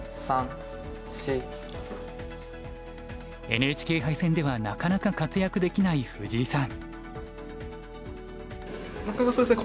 ＮＨＫ杯戦ではなかなか活躍できない藤井さん。